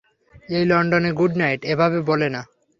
এই লন্ডনে good night, এভাবে বলে না।